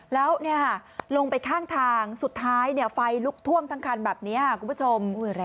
แล้วลงไปข้างทางสุดท้ายไฟลุกท่วมทั้งคันแบบนี้คุณผู้ชม